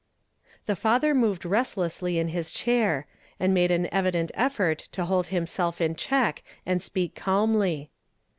The father moved restJ ssly in his chair, and made an evident effort to hold hi.iself in check and speak calmly.